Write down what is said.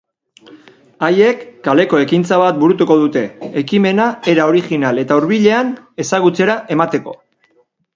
Haiek kaleko ekintza bat burutuko dute ekimena era original eta hurbilean ezagutzera emateko.